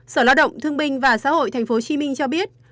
sở lao động thương binh và xã hội tp hcm cho biết